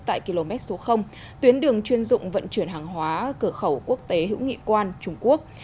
tại km số tuyến đường chuyên dụng vận chuyển hàng hóa cửa khẩu quốc tế hữu nghị quan trung quốc